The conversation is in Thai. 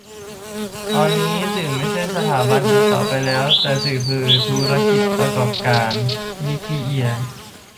ตอนนี้สื่อไม่ใช่สถาบันอีกต่อไปแล้ว แต่สื่อคือธุรกิจประกอบการ - นิธิ เอีย